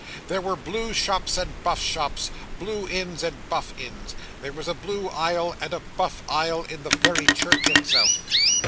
There were Blue shops and Buff shops, Blue inns and Buff inns there was a Blue aisle and a Buff aisle in the very church itself.